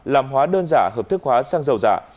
làm hóa đơn giả hợp thức hóa xăng dầu giả